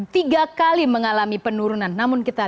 tiga kali mengalami penurunan